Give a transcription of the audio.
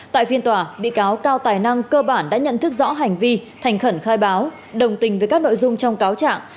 tại phiên tòa bị cáo cao tài năng cơ bản đã nhận thức rõ hành vi thành khẩn khai báo đồng tình với các nội dung trong cáo trạng